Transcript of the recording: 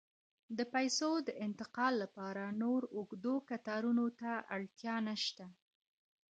د پیسو د انتقال لپاره نور اوږدو کتارونو ته اړتیا نشته.